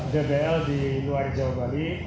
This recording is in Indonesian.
dbl di luar jawa bali